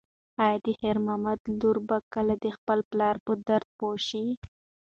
ایا د خیر محمد لور به کله د خپل پلار په درد پوه شي؟